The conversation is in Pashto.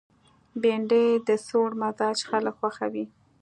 بېنډۍ د سوړ مزاج خلک خوښوي